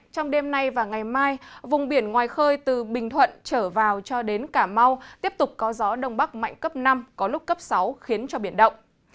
trong đêm nay và ngày mai vùng biển ngoài khơi từ bình thuận trở vào cho đến cả mau tiếp tục có gió đông bắc mạnh cấp năm có lúc cấp sáu khiến cho biển động